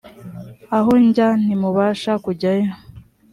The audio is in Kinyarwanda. aho njya ntimubasha kujyayo